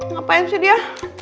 ngapain sih dia